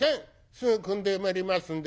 すぐくんでまいりますんで。